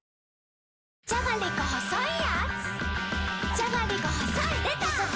じゃがりこ細いやーつ